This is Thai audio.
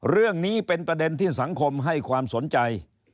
เรื่องนี้เป็นประเด็นที่สังคมให้ความสนใจ